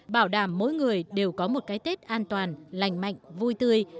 bảo đảm mỗi người đều có một cái tết an toàn lành mạnh vui tươi